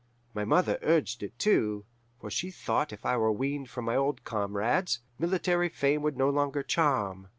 My mother urged it, too, for she thought if I were weaned from my old comrades, military fame would no longer charm.